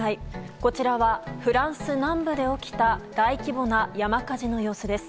こちらはフランス南部で起きた大規模な山火事の様子です。